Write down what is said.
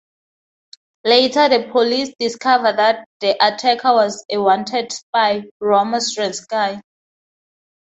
Later the police discover that the attacker was a wanted spy: Romo Stransky.